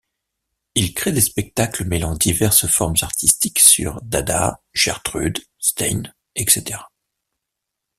Il crée des spectacles mêlant diverses formes artistiques, sur dada, Gertrude Stein, etc.